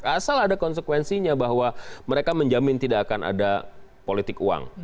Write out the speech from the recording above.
asal ada konsekuensinya bahwa mereka menjamin tidak akan ada politik uang